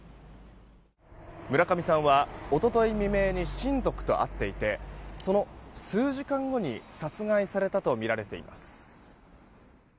村上さんは一昨日未明に親族と会っていてその数時間後に殺害されたとみられています。